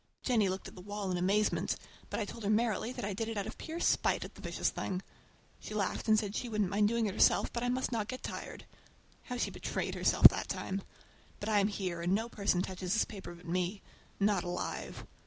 Jennie looked at the wall in amazement, but I told her merrily that I did it out of pure spite at the vicious thing. She laughed and said she wouldn't mind doing it herself, but I must not get tired. How she betrayed herself that time! But I am here, and no person touches this paper but me—not alive!